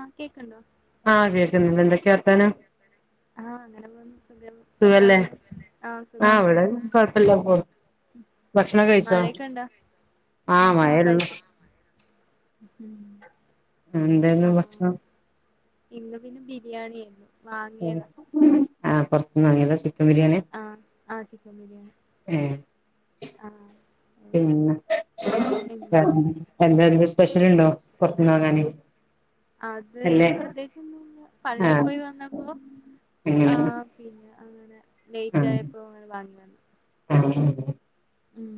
ആഹ് കേക്കണ്ടോ ആഹ് കേക്കുന്നുണ്ട് എന്ത് ഒക്ക വർത്താനം ആഹ് അങ്ങനെ പോന്നു സുഖം സുഖല്ലേ അവിടെയോ ആ സുഖം തന്നെ അല്ലപ്പൊ ഉം മഴയൊക്കെ ഒണ്ടോ ഉ ആഹ് കഴിച്ചു ഉം എന്തായിരുന്നു ആഹ് ഭക്ഷണം ഇന്ന് പിന്നെ ബിരിയാണി ആയിരുന്നു ആ വാങ്ങിയതാ പൊ, ആ പൊറത്ത്ന്ന് വാങ്ങിയത ചിക്കൻ ബിരിയാണി. ആഹ് ആഹ് ചിക്കൻ ബിരിയാണി ഏ ആഹ്. ഉം പിന്നെ ഉം എന്തെലും സ്പെഷ്യല്ണ്ടോ പൊറത്ത്ന്ന് വാങാന്. അത് പ്രത്യേകിച്ച് ഒന്നും ഇല്ല. പള്ളി ആഹ് പോയി വന്നപ്പോ ആ. അങ്ങനെ പിന്നെ അങ്ങനെ ലേറ്റ് ആഹ് ആയപ്പോ അങ്ങനെ വാങ്ങി വന്ന്. [unintelligible] ഉം.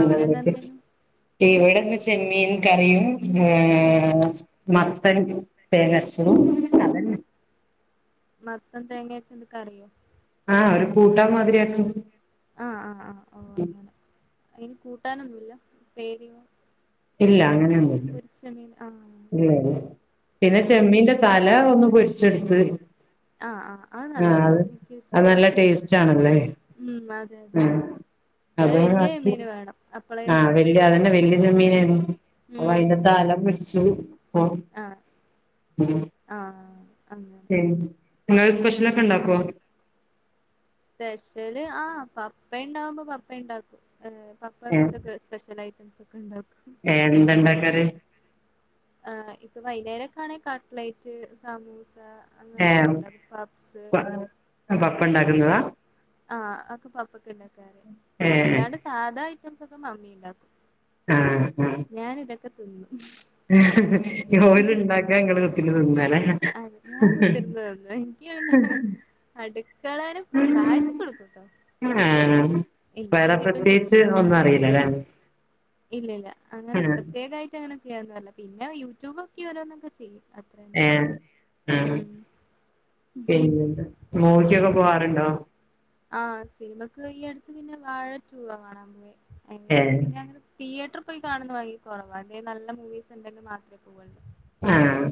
അവിടെന്ന് എന്തേനു ഇവിടിന്ന് ചെമ്മീൻ കറിയും ഉം ഏഹ് മത്തൻ തേങ്ങ അരച്ച്. [unintelligible] മത്തൻ തേങ്ങയരച്ച എന്ത് കറിയോ? ആഹ് ഒരു കൂട്ടാമാതിരിയാക്കും. ആഹ്, ആഹ്, ആഹ് ഓ അങ്ങനെ ഇനി കൂട്ടാനൊന്നുല്ല ഉപ്പേരിയും. ഇല്ല അങ്ങനെയൊന്നുല്ല മീൻ ആഹ് ഇല്ല, ഇല്ല. ഓ പിന്നെ അത് ചെമ്മീന്റെ ശരി തല ഉം ഒന്ന് പൊരിച്ചെടുത്ത്. ആഹ്, ആഹ് അത് ആ നല്ലതാ അത് എനിക്കും അത് ഇഷ്ടാ ടേസ്റ്റ് നല്ല ആണല്ലേ ടേസ്റ്റാണ്. ഉം അതെ, അതെ അത് വലിയ മീൻ വേണം അപ്പളേ. ആ വല്യ അതന്നെ വലിയ ചെമ്മീനാരുന്നു. അപ്പൊ ഉം അതിന്റെ തല പൊരിച്ചു അപ്പോ. ആഹ് ഉം. ആഹ്. അങ്ങനെ ഉം നിങ്ങള് സ്പെഷ്യലൊക്കെ ഇണ്ടാക്കുവോ? സ്പെഷ്യല് ആഹ് പപ്പ ഇണ്ടാവുമ്പോ പപ്പ ഇണ്ടാക്കും ഏഹ്. പപ്പ ഏ അങ്ങനത്തോക്കെ സ്പെഷ്യൽ ഐറ്റംസ് ഒക്കെ ഇണ്ടാക്കും. വേറെന്താ ഇണ്ടാക്കാറ്? ആഹ് ഇപ്പൊ വൈന്നേരൊക്കെ ആണെ കട്ലേറ്റ്, സമൂസ. അങ്ങനത്തൊക്കെ ഇണ്ടാക്കും പപ്സ് [inaudible] പപ്പ ഉണ്ടാക്കുന്നതാ? ആഹ് അതൊക്കെ പപ്പക്ക് ഇണ്ടാക്കാറ്. ഏ അല്ലാണ്ട് സാധാ ഐറ്റംസ് ഒക്കെ മമ്മി ഉണ്ടാക്കും. ആഹ്, ആഹ്. ഞാനിതൊക്കെ തിന്നും. ഇത് ഓലുണ്ടാക്കാ ഇങ്ങള് കുത്തിരുന്ന് തിന്നാലേ. അഹ് ഞാൻ കുത്തിയിരുന്ന് [unintelligible] എനിക്ക്. അടുക്കളേലും സഹായിച്ചൊക്കെ കൊടുക്കുട്ടോ. ആഹ്. ഇല്ലെങ്കി വേറെ കിട്ടും കിട്ട് പ്രത്യേകിച്ച് ഒന്നും അറിയില്ലല്ലേ ഇല്ലില്ല അങ്ങനെ ആഹ് പ്രത്യേകായി ട്ടങ്ങനെ ചെയ്യാ ഒന്നുവല്ല പിന്നെ യൂട്യൂബോക്കി ഓരോന്നൊക്കെ ചെയ്യും. അത്രന്നെ ഏഹ്, ആഹ് ഉം പിന്നെന്താ മൂവിക്കൊക്കെ പോവാറുണ്ടോ? ആഹ് സിനിമക്ക് ഈ അടുത്ത് പിന്നെ വാഴ ടൂവാ കാണാൻ പോയെ അയിന് പിന്നെ, ഏഹ് പിന്നെ അങ്ങനെ. തിയേറ്റർ പോയി കാണുന്ന ഭയങ്കര കൊറവാ അല്ലേ നല്ല മൂവീസ് ഉണ്ടെങ്കി മാത്രേ പോവുള്ളു. ആഹ്.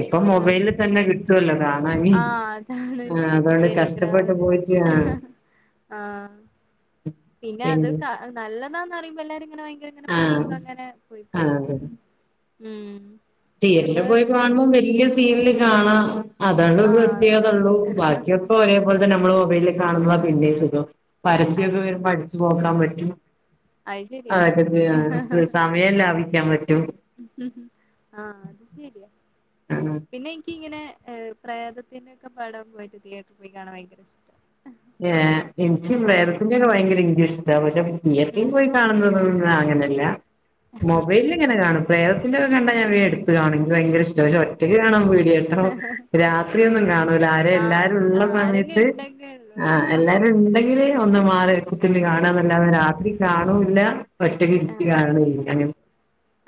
ഇപ്പൊ മൊബൈലിൽ ഉം തന്നെ കിട്ടുവല്ലോ കാണാനീ. ആഹ് അതാണ് ആഹ് അതുകൊണ്ട് കഷ്ടപ്പെട്ട് ടെലിഗ്രാമില് പോയി. ആഹ്. പിന്നെ അത് ക നല്ലതാന്ന് പറയുമ്പോ എല്ലാരു ഇങ്ങനെ ഭയങ്കര. ഇങ്ങനെ ആഹ് പറയുമ്പോ അങ്ങനെ പോയ് ആഹ് പോവും ഉം. തിയറ്ററില് നിങ്ങള് പോയി കാണുമ്പോം വലിയ സീനില് കാണാം. അതാണ് ആഹ് അതെ പ്രത്യേകതള്ളൂ ബാക്കിയൊക്കെ ഒരേ പോലത്തന്നെ നമ്മള് മൊബൈലി കാണുന്നതാ പിന്നേം സുഖം പരസ്യൊക്കെ അത് വരുമ്പോ ശരി അടിച്ചു പോക്കാൻ പറ്റും അത് ശരിയാ അതൊക്കെ അത് ചെയ്യാ സത്യാ ആഹ് സമയം ലാഭിക്കാൻ പറ്റും ആഹ് അത് ശരിയാ [unintelligible] പിന്നെ എനിക്കിങ്ങനെ ഏഹ് പ്രേതത്തിന്റെയൊക്കെ പാടം പോയിട്ട് തിയേറ്ററി പോയി കാണാൻ ഭയങ്കര ഇഷ്ട്ടാ ഏഹ് എനിക്ക് പ്രേതത്തിന്റെ ഒക്കെ ഭയങ്കര ഇഷ്ട്ടാ പക്ഷെ തീയേറ്ററി ഉം പോയി കാണുന്നതോടോടും അങ്ങനെല്ലാ മൊബൈലില് ഇങ്ങനെ കാണും പ്രേതത്തിന്റെയൊക്കെ കണ്ടാ ഞാൻ വേ എടുത്ത് കാണും എനിക്ക് ഭയങ്കര ഇഷ് ട്ടാ പക്ഷെ ഒറ്റക്ക് കാണാൻ പേടിയാട്ടോ രാത്രിയൊന്നും കാണൂലാ ആരെ ആഹ് എല്ലാരും ഇള്ള ആഹ് ആരെങ്കിലും സമയത്ത് ഉണ്ടെങ്കി ഉള്ളൂ ആഹ് എല്ലാരും ഇണ്ടെങ്കില് ഒന്ന് മാറി കുത്തിരിന്ന് ആഹ് കാണാന്നല്ലാതെ രാത്രി കാണൂല്ലാ ഒറ്റക്കി [unintelligible] ആഹ് കാണോ ഇല്ലാ അങ്ങനെ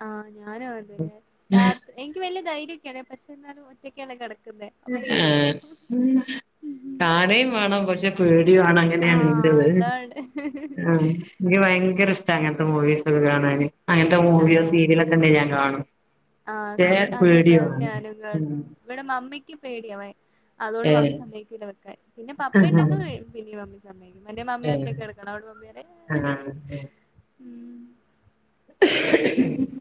ആഹ് ഞാനും ഉം അതന്നെ രാത് എനിക്ക് വല്ല്യ ധൈര്യൊക്കെയാണെ പക്ഷെ എന്നാലും ഒറ്റക്കല്ലേ കെടക്കുന്നെ ആഹ് കാണെ വേണം പക്ഷെ പേടിയുവാണ് അങ്ങനെയാണ് ആഹ് ഇൻ്റെത് അതാണ് ആഹ് എനിക്ക് ഭയങ്കര ഇഷ്ട്ടാ അങ്ങനത്തെ മൂവീസൊക്കെ കാണാന് അങ്ങനത്തെ മൂവിയോ ആഹ് സീരിയലൊക്കെ ഇണ്ടെങ്കി ഞാൻ കാണും. ആഹ് പക്ഷേ സീ അതെ അതെ അത് പേടിയുവാണ് ഞാനും ഉം കാണും ഇവിടെ മമ്മിക്ക് പേടിയാ ഭയ അതുകൊണ്ട് ഏഹ് മമ്മി സമ്മയ്ക്കില്ലാ വെക്കാൻ പിന്നെ പപ്പ ഇണ്ടെങ്കി [unintelligible] [unintelligible] മമ്മി സമ്മയ്ക്കും അല്ലെ മമ്മി ഒറ്റക്ക് കെടക്കണം അതോണ്ട് മമ്മി പറയും ആഹ് ആഹ് ഉം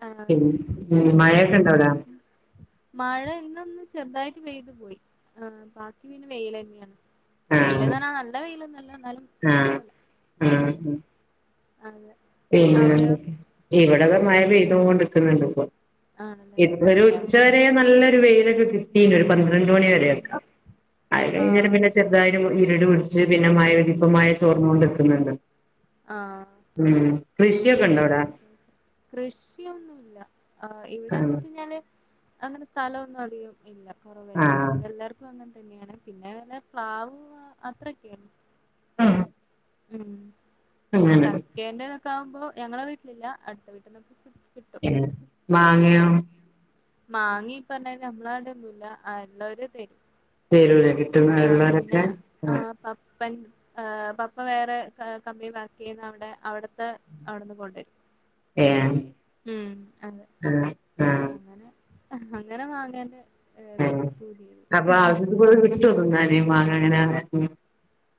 ആഹ് പിൻ ഉം മഴയൊക്കെ പിന്നെ ഇണ്ടാ അവിടെ? മഴ ഇന്ന് ഒന്ന് ചെറുതായിട്ട് പെയ്തു പോയി ഏഹ് ബാക്കി പിന്നെ വെയ്ലെന്നെയാ ഇന്ന് വെയില്ന്ന് ആഹ് പറഞ്ഞാ നല്ല വെയിലൊന്നൊല്ലാ എന്നാലും ആഹ് കൊഴപ്പെല്ലാ. ഉം അതെ പിന്നെ അവിടെയോ ഇവിടെതാ മഴ പെയ്തോണ്ട്ക്ക്ന്ന്ണ്ട് ഇപ്പം ആണല്ലേ ഇപ്പോ ഒരു ഉച്ചവരെ ഞങ്ങോട്ട് നല്ലൊരു വെയിലൊക്കെ കി കിട്ടീന് ഒരു പന്ത്രണ്ട് മണി ഉം വരെയൊക്കെ അത് കഴിഞ്ഞേരം ആഹ് പിന്നെ ചെറുതായിട്ട് മു ഇരുട് പിടിച്ച് ന്നിറ്റ് പിന്നെ മയ പെയ്ത് ഇപ്പം മയ ചോർന്നോണ്ട്ക്ക്ന്ന്ണ്ട് ആഹ് ഉം കൃഷിയൊക്കെ ഇണ്ടോ അവിടെ? കൃഷിയൊന്നുല്ലാ ആഹ് ഇവിടെന്ന് വെച്ച് കഴിഞ്ഞാല് അങ്ങനെ സ്ഥലൊന്നും അധികം ഇല്ലാ കൊറവെന്നെയാ ഇവിടെ ആഹ് എല്ലാർക്കും അങ്ങനെ തന്നെയാണെ പിന്നെ അങ്ങനെ പ്ലാവ് [unintelligible] അത്രക്ക് ഉം ഉം ചക്കേന്റെതൊക്കെ ആവുമ്പോ ഞങ്ങളെ വീട്ടിലില്ലാ അടുത്ത വീട്ടിന്നൊക്കെ കി [unintelligible] ഉം മാങ്ങയോ? മാങ്ങിം ഇ പറഞ്ഞാരി നമ്മളാടൊന്നുല്ലാ ആഹ് ഇള്ളോര് തെരും. തരൂലേ ആഹ് പിന്നെ കിട്ടുന്നള്ളവരൊക്കെ ആഹ് പ പ്പൻ ഏഹ് പപ്പ വേറെ കമ്പനി വർക്ക് ചെയ്യുന്ന കൊണ്ട് അവിടെ അവിടുത്തെ അവിടെന്ന് കൊണ്ടുവരും. ഏഹ് ഉം അതെ ആഹ് ആഹ് അങ്ങനെ അങ്ങനെ മാങ്ങേൻ്റെ ഏത് പൂതി ഇപ്പഴും കിട്ടോ തിന്നാന് മാങ്ങ ഇങ്ങനെ [unintelligible]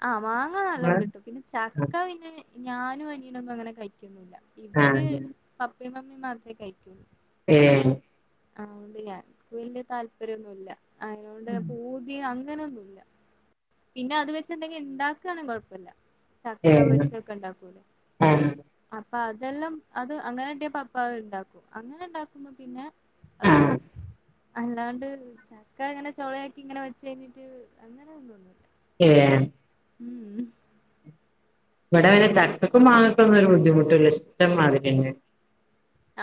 ആഹ് മാങ്ങ നല്ലോം കിട്ടും പിന്നെ ചക്ക പിന്നെ ഞാനും അനിയനൊന്നും അങ്ങനെ കയിക്കൊന്നുല്ലാ. ഇവര് ആഹ് പപ്പേം മമ്മിം മാത്രേ കഴിക്കൂ ഏഹ് അതോണ്ട് ഞങ്ങക്ക് വല്ല്യ താല്പര്യന്നുല്ല അയ്നോണ്ട് പൂതി അങ്ങനൊന്നുല്ല. പിന്നെ അത് വെച്ചെന്തെങ്കിലും ഇണ്ടാക്കുവാണങ്കി കൊഴപ്പല്ല ചക്ക ഏഹ് പൊരിച്ചൊക്കെ ഇണ്ടാക്കൂലേ ആഹ് അപ്പൊ അതെല്ലാം അത് അങ്ങനെ ഇണ്ടെ പപ്പാ അത് ഇണ്ടാക്കും അങ്ങനെ ഇണ്ടാക്കുമ്പോ പിന്നെ അഹ് ആഹ് തിന്നും അല്ലാണ്ട് ചക്ക ഇങ്ങനെ ചുളയാക്കി ഇങ്ങനെ വെച്ച് കഴിഞ്ഞിട്ട് അങ്ങനെ തിന്നൊന്നുല്ല. ഏഹ് ഉം ഇവിടെ പിന്നെ ചക്കക്കും മാങ്ങക്കൊന്നൊരു ബുദ്ധിമുട്ടൂല്ല ഇഷ്ടംമാതിരെന്നെ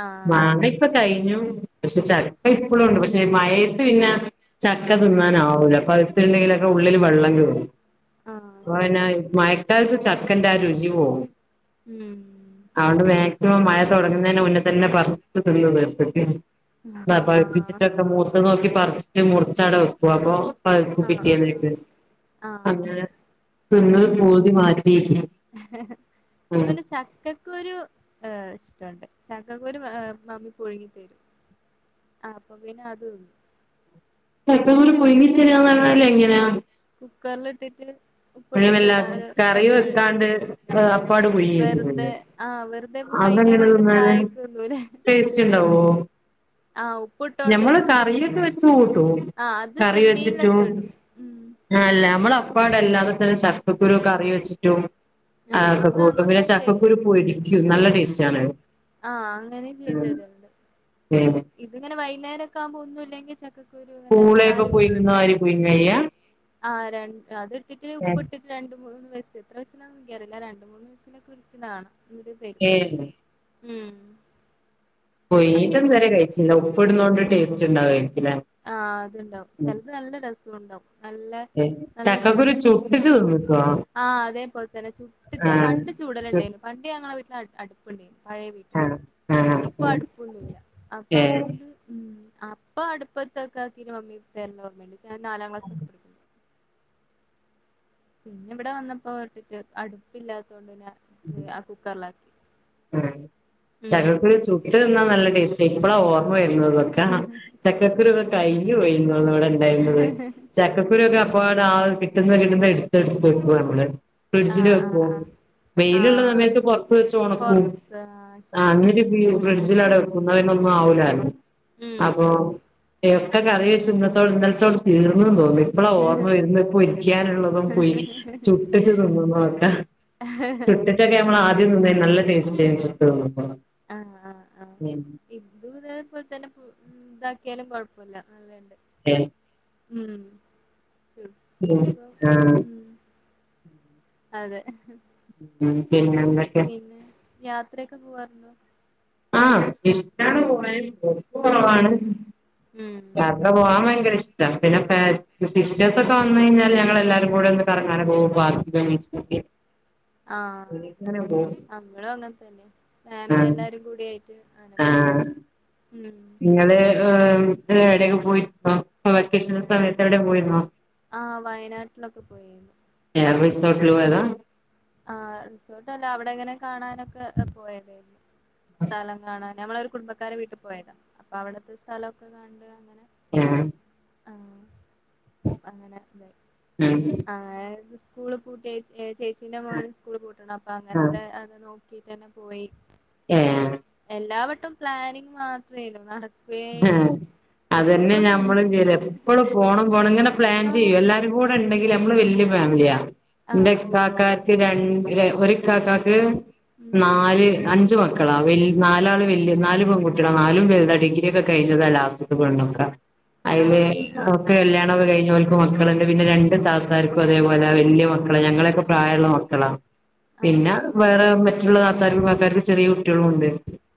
ആഹ് മാങ്ങ ഇപ്പ കഴിഞ്ഞു പക്ഷെ ചക്ക ഇപ്പളുണ്ട് പക്ഷെ മഴയത്ത് പിന്നെ ചക്ക ആഹ് തിന്നാനാവൂല പഴുത്ത്ണ്ടെങ്കിലൊക്കെ ഉള്ളില് വെള്ളം കേറും. ആഹ് അപ്പൊ പിന്നെ ശരിയാ മയക്കാലത്ത് ചക്കന്റെ ആ രുചി പോവും. ഉം അതുകൊണ്ട് മാക്സിമം മഴ തുടങ്ങുന്നന് മുന്നേ തന്നെ പറിച്ചു തിന്നു [unintelligible] ആഹ് പഴിപ്പിച്ചിട്ടൊക്കെ മൂത്തത് നോക്കി പറിച്ചിട്ട് മുറിച്ചടെ വെക്കൂ അപ്പൊ പഴുക്കും ആഹ് ആഹ് പിറ്റേന്നേക്ക് ആഹ് ആഹ് അങ്ങനെ തിന്നു പൂതി മാ ഇവടെ പിന്നെ ച ക്കക്കൂരു ഏഹ് ഇഷ്ട്ടണ്ട് ചക്കക്കൂരു മമ്മി പുഴുങ്ങിത്തരും ആഹ് അപ്പൊ പിന്നെ അതും [unintelligible] ചക്കക്കുരു പുഴുങ്ങി തിന്നാന്ന് പറഞ്ഞാല് എങ്ങനെയാ കുക്കറിലിട്ടിട്ട് ഉപ്പ്ട്ടിട്ട് അങ്ങനല്ല നാല് കറി രണ്ട് വെക്കാണ്ട് അപ്പാട് പുഴുങ്ങി വെറുതെ വെച്ചിട്ടില്ലേ ആഹ് വെറുതെ ഇപ്പ അതെങ്ങനെ വൈന്നേരൊക്കെ തിന്നാന് ചായക്ക് തിന്നൂലെ ടേസ്റ്റ് ഉണ്ടാവോ ഉപ്പിട്ടോണ്ട് ഞമ്മള് കറിയൊക്കെ വെച്ച് കൂട്ടു ആഹ് അത് കറി വെച്ചിട്ടു ചെമ്മീനിലൊക്കെ ഇടും ഉം ആല്ല നമ്മള് അപ്പണ് എല്ലാ [unintelligible] ചക്കക്കുരു കറി വെച്ചിട്ടും ആഹ് അതൊക്കെ അത് കൂട്ടും പിന്നെ അങ്ങനെയും തരും ചക്കക്കൂരു പുളി [unintelligible] നല്ല ടെസ്റ്റ് ആണ് ആഹ് അങ്ങനെ ചെയ്തു തരലുണ്ട് [unintelligible] ഇത്ങ്ങെനെ വൈന്നേരൊക്കാകുമ്പോ ഒന്നുല്ലെങ്കിൽ ചക്ക കുരു ഇങ്ങനെ പൂളയൊക്കെ നാല് വിസിൽ പുഴുങ്ങുന്ന മാതിരി പുഴുങ്ങുവ ചെയ്യാ [unintelligible] അത് ഇട്ടിട്ട് ഉപ്പ് ഇട്ടിട്ട് രണ്ട് മൂന്ന് വിസ്സിൽ എത്ര വിസ്സില എന്നൊന്നും എനിക്ക് അറില്ല രണ്ട് മൂന്ന് വിസിലൊക്കെ വിളിക്കുന്ന കാണാം തരും ഏഹ് ഉം അത് പുഴുങ്ങീട്ടൊന്നും ഇത് വരെ കഴിച്ചില്ല ഉപ്പ് ഇടുണോണ്ട് ടേസ്റ്റ് ഉണ്ടാവായിരിക്കൂല്ലേ ആഹ് അത്ണ്ടാവും ചിലത് നല്ല രസോണ്ടാവും നല്ല നല്ല ടേസ്റ്റ് [unintelligible] തിന്ന്ക്കോ ആഹ് അതേപോലെ തന്നെ ചുട്ടിട്ട് പണ്ട് ചു ചൂടല്ണ്ടേനു പണ്ട് ഞങ്ങളെ വീട്ടിൽ അട് അടുപ്പ് ഇണ്ടേനു പഴയ വീട് ആ ആ ഇപ്പൊ ആ അടുപ്പൊന്നുല്ല അപ്പൊ ഏ അതുകൊണ്ട് ഉം അപ്പ അടുപ്പ ത്തൊക്കെ ആക്കീട്ട് മമ്മി [unintelligible] ഓർമ്മണ്ട് ഞാൻ നാലാം ക്ലാസ്സൊക്കെ പഠിക്കുമ്പൊ പിന്നെവിടെ വന്നപ്പോ [unintelligible] അടുപ്പില്ലാത്തോണ്ട് പിന്നെ [unintelligible] കുക്കർലാക്കി ഉം ചക്കക്കുരു ചുട്ട് തിന്നാ നല്ല ടേസ്റ്റ് ആയിരിക്കും ഇപ്പളാ ഓർമ്മ വരുന്നത് ആഹ് ചക്കക്കുരു ഒക്കെ കയിഞ്ഞു പോയി [unintelligible] ഉണ്ടായിന്നത് ചക്കക്കുരൊക്കെ ആഹ് അപ്പാടെ ആ കിട്ടുന്ന കിട്ടുന്ന എടുത്ത് എടുത്ത് എക്കും നമ്മള് ഫ്രിഡ്ജിൽ ആഹ് വെക്കോ ആഹ് ആഹ് വെയ്ലുള്ള ആഹ് സമയത്ത് പുറത്ത് വെച്ചോണം ഉം പൊറത്ത് ആഹ് ശരിയാ അങ്ങനക്കെ ഫ്രിഡ്ജിൽ അടെ ക്കും ന്നാ പിന്നെ ഒന്നും ആവൂല അപ്പോ ഉം എക്കെ കറി വെച്ച് ഇന്നതൊ ഇന്നലത്തോട് തീർന്ന് തോന്നി ഇപ്പള ഓർമ്മ വരുന്ന പ്പൊ ഇരിക്കാനുള്ളതും പോയി ചുട്ടിച്ചു തിന്നതൊക്കെ ചുട്ട്ട്ടൊക്കെ നമ്മള് ആദ്യം നിന്നേനി നല്ല ടേസ്റ്റ് ചുട്ട് തിന്നുമ്പോള് ഉം ഇത് ഇതേപോലെ തന്നെ ഇതാക്കിയാലും കുഴപ്പല്ല നല്ലണ്ട് [unintelligible] ഉം ഉം [unintelligible] ഉം അതെ ഉം പിന്നെന്ത് പിന്നെ യാത്രയൊക്കെ പോവാറുണ്ടോ ആഹ് ഇഷ്ടാണ് പോവാന് പോക്ക് ഉം കൊറവാണ് ഉം യാത്ര പോവാൻ ഭയങ്കര ഇഷ്ടാ പിന്നെ പാ സിസ്റ്റേഴ്സ്ക്കെ വന്നയിഞ്ഞാല് ഞങ്ങള് എല്ലാവരും [unintelligible] ആഹ് അമ്മളും അങ്ങൻ തന്നെ ഫാമിലി ആഹ് എല്ലാരും കൂടേയ് ട്ട് ആനെ പോ ഉം ങ്ങള് ഏടെയൊക്കെ പോയിന്നോ വെക്കേഷൻ സമയത്ത് എവിടെ പോയിരുന്നോ ആഹ് വയനാട്ടിലൊക്കെ പോയിരുന്നു ഏഹ് റിസോർട്ടില് പോയതാ. ആഹ് റിസോർട്ട് അല്ല അവിടെ ങ്ങനെ കാണാനൊക്കെ പോയതെനു സ്ഥലം കാണാൻ ഞമ്മളൊരു കുടുംബക്കാരെ വീട്ടിൽ പോയതാ അപ്പൊ അവിടുത്തെ സ്ഥലമൊക്കെ കണ്ട് അങ്ങനെ ഉം ആഹ് അപ്പ അങ്ങനെ ഇതായി ഉം ആഹ് സ്കൂള് പൂട്ട്യേ ചേച്ചീന്റെ മോന് സ്കൂള് പൂട്ടണം അപ്പൊ ആഹ് അങ്ങൻത്തെ അത് നോ- തന്നെ പോയി ഏഹ് എല്ലാവട്ടം പ്ലാനിങ് മാത്രേളു നട ആഹ് അതന്നെ പ്ലാൻ ഞമ്മള് യെലെ എപ്പളും പോണം പോണം ഇങ്ങനെ പ്ലാൻ ആഹ് ചെയ്യും എല്ലാരും കൂടെ ണ്ടെങ്കില് നമ്മള് വല്യ ഫാമിലിയാ ന്റെ ആഹ് ഓ ഇക്കാക്കക്ക് രണ്ട് ഒരു ഇക്കാക്കക്ക് ഉം നാല് അഞ്ച് മക്കളാ. ക്കളാ വൽല്യ നാലാള് വല്യ നാല് പെൺകുട്ട്യളാ നാലും വൽതാ ടി [unintelligible] ക്ക് ആഹ് ആഹ് കല്യാണം ക്കെ കയിഞ്ഞ് ഓൽക്ക് മക്കള്ണ്ട് പിന്നെ രണ്ട് താത്താർക്കും അതേപോലെ വല്യ മക്കളാ ഞങ്ങളെയൊക്കെ പ്രായള്ള മക്കളാ [inaudible] പിന്നെ ആഹ് വേറെ മറ്റുള്ള ത്താർക്കും കക്കാർക്കും ചെറിയ കുട്ടിളും ണ്ട്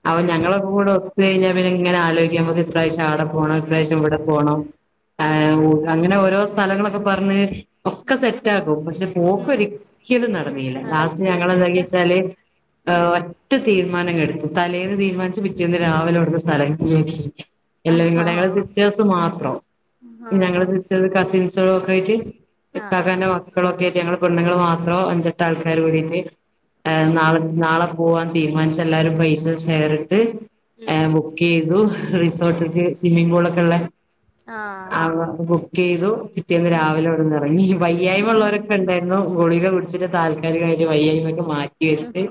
അവ ഓ അത് ഞങ്ങളൊക്ക ശരി കൂടെ ഒ ത് കയിഞ്ഞാ പിന്നെ ങ്ങനെ ആലോക്കും നമ ഇപ്രാശ്യം ആടെ പോണം ഇപ്രാവശ്യം ഇവിടെ പോണം ആഹ് ഉ അങ്ങനെ ഓരോ സ് സ്ഥലങ്ങളൊക്കെ പറഞ് ഒക്കെ ഉം സെറ്റ് ആകും പക്ഷെ പോക്ക് ഉം ഒരിക്കലും നടനീല ലാസ്റ്റ് നടക്കൂല ഞങ്ങെന്താക്കിച്ചാല് ഉം ആഹ് ഒറ്റ തീരുമാനംങടുത്തു തലേന്ന് തീരുമാനിച്ചു പിറ്റേന്ന് രാവിലെ അവിടുന്ന് സ്ഥലം [unintelligible] എല്ലരും ആഹ് കൂടെ ഞങ്ങള ആഹ് സിസ്റ്റേഴ്സ് മാത്രം ആഹ് ഞങ്ങള് സിസ്റ്റേഴസ് കസിൻസ് [unintelligible] ആഹ് ഇക്കാക്കാന്റെ ആഹ് മക്കളൊക്കെ ആയിട്ട് പെണ്ണുങ്ങള് മാത്രം അഞ്ചെട്ട ആൾക്കാാര് കൂടിട്ട്. ഓ ഏഹ് അത് ശരി നാളെ നാളെ പോവാന് തീരുമാനിച്ചെല്ലാരും പൈസേം ഷെയറിട്ട് ഉം ഏഹ് മുസ ഉം ചെയ്തു [unintelligible] ഉം റിസോർട്ടിത്തിം സ്വിമ്മിംഗ പൂൾ ഒക്കെ ഉള്ള, ആഹ് അവ ബുക്ക് ചെയ്തു. പിറ്റിയേന്ന് ഉം രാവിലെ ഇവിടുന്ന് ഇറങ്ങി. വയ്യായ്മ ഉള്ളവരൊക്കെ ണ്ടായിരുന്നു. ഗുളിക കുടിച്ചിട്ട് താൽക്കാലികമായിട്ട് വയ്യ യ്യൊക്കെ മാറ്റിവെച്ച്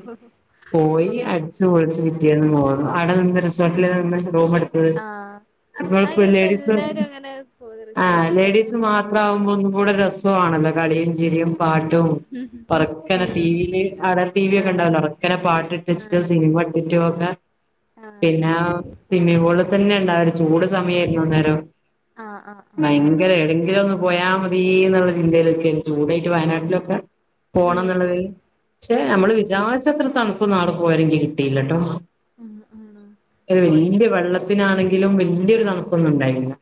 പോയി ഓ അടിച് അടി ച്ച്പൊളിച് പിറ്റേന്ന് പോന്നു. അവിടെ നിന്ന് റിസോർട്ടിൽ നിന്ന് റൂം എടുത്തത്. ആഹ് അത് ഇങ്ങളപ്പോ ഇപ്പ ലേഡീസ് എല്ലാരും അങ്ങനെ പോയി ആ, റിസോർട്ടിന്റെ ലേഡീസ് മാ ത്രകുമ്പോ ഒന്നും കൂടെ രസ ആണല്ലോ. കളിയും ചിരിയും പാട്ടും. പതു ക്ക നെ ഉം ടീവിയിൽ അവിടെ ടീവി ഒക്കെ ആഹ് ഉണ്ടാവൂലോ, ഉറക്കനെ പാട്ട് ഇട്ടിട്ട് ച് സിനിമ ഇട്ടിട്ടോ ഒക്കെ ആ. പിന്നെ സിമ്മിപൂളിൽ തന്നെ ഉണ്ടായിരുന്നു. ചൂട് സമയമായിരുന്നു അന്നേരം ആഹ് ആഹ് ആഹ് ഭയങ്കര ആഹ് എവടെ എവടേ ങ്കിലോ പോയാ മതി എന്നുള്ള ചിന്തയിലൊക്കെ ചൂടായിട്ട് വയനാട്ടിലൊക്കെ പോണം ഉം എന്നുള്ളത് പക്ഷെ നമ്മള് ആഹ് വിചാരിച്ചത്ര തണുപ്പൊന്നും അവിടെ പോയാലും കിട്ടില്ട്ടോ. ഉം, ഉം. വല്യ വെള്ളത്തിനാണെങ്കിലും വല്യ യൊരു തണുപ്പൊന്നും ണ്ടായിര്നില.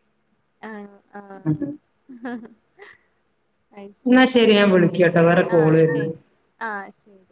ആ, ആ. അത് എന്നാ ശരി, ഞാൻ വിളിക്കാട്ടോ വേറെ കോള് വരുന്നു ആ ശരി.